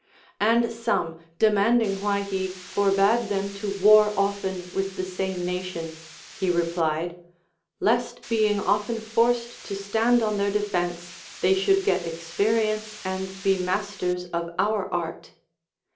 And some demanding Avhy he forbade them to war often with the same nation, he replied, Lest being often forced to stand on their defence, they should get ex perience and be masters of our art.